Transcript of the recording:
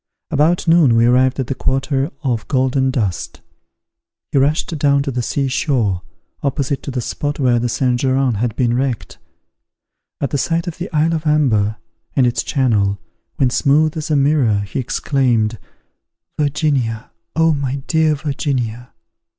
About noon we arrived at the quarter of Golden Dust. He rushed down to the sea shore, opposite to the spot where the Saint Geran had been wrecked. At the sight of the isle of Amber, and its channel, when smooth as a mirror, he exclaimed, "Virginia! oh my dear Virginia!"